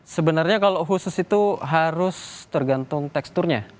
sebenarnya kalau khusus itu harus tergantung teksturnya